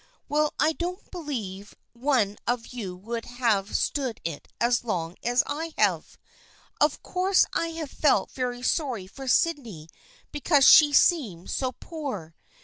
Well, I don't believe one of you would have stood it as long as I have. Of course I have felt very sorry for Sydney because she seemed so poor.